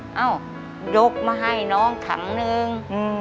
เอ้ายกมาให้น้องถังนึง